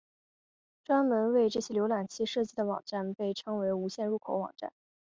专门为这些浏览器设计的网站被称为无线入口网站。